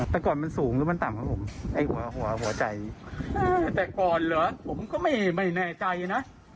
แต่ก่อนมันสูงหรือมันต่ำครับผมไอ้หัวหัวใจแต่ก่อนเหรอผมก็ไม่ไม่แน่ใจนะ